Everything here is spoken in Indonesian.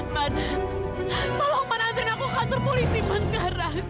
man tolong penantrin aku ke kantor polis iman sekarang